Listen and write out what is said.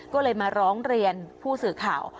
ก็เลยมาร้องเรียนผู้สื่อข่าว